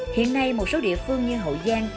hiện nay một số địa phương như hậu giang